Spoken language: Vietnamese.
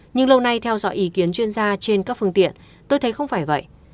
nhưng lâu nay theo dõi ý kiến chuyên gia trên các phương tiện tôi thấy không phải vậy